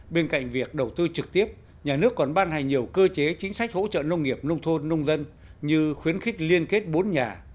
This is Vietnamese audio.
bên cạnh việc đầu tư trực tiếp nhà nước còn ban hành nhiều cơ chế chính sách hỗ trợ nông nghiệp nông thôn nông dân như khuyến khích liên kết bốn nhà